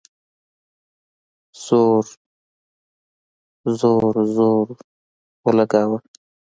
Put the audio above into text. زور ، زور، زور اولګوو